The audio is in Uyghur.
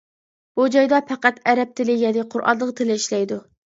بۇ جايدا پەقەت ئەرەب تىلى يەنى قۇرئاننىڭ تىلى ئىشلەيدۇ.